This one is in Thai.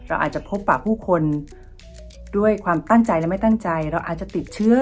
เราอาจจะพบป่าผู้คนด้วยความตั้งใจและไม่ตั้งใจเราอาจจะติดเชื้อ